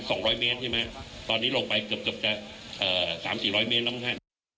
สองร้อยเมตรใช่ไหมตอนนี้ลงไปเกือบเกือบจะเอ่อสามสี่ร้อยเมตรแล้วมั้งท่าน